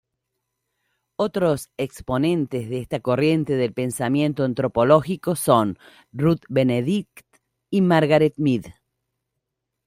Otros exponentes de esta corriente del pensamiento antropológico son Ruth Benedict y Margaret Mead.